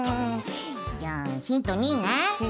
じゃあヒント２ね。